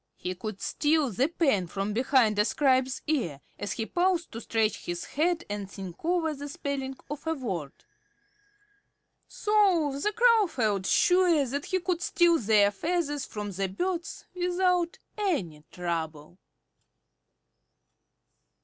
He could steal the pen from behind a scribe's ear, as he paused to scratch his head and think over the spelling of a word. So the Crow felt sure that he could steal their feathers from the birds without any trouble.